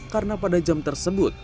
karena pada jam tersebut